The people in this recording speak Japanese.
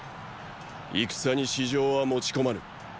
戦に私情は持ち込まぬ。